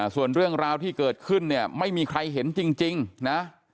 ส่วนเรื่องราวที่เกิดขึ้นเนี่ยไม่มีใครเห็นจริงนะ